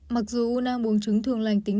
mặc dù u nang bùng trứng thường lành tính